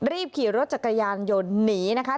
รีบขี่รถจักรยานยนต์หนีนะคะ